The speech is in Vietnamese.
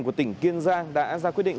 của tỉnh kiên giang đã ra quyết định